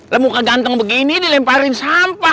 lemuk keganteng begini dilemparin sampah